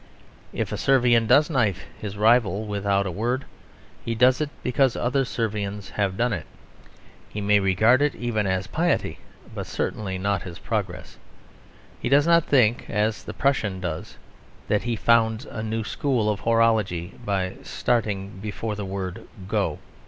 If a Servian does knife his rival without a word, he does it because other Servians have done it. He may regard it even as piety, but certainly not as progress. He does not think, as the Prussian does, that he founds a new school of horology by starting before the word "Go."